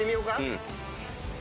うん。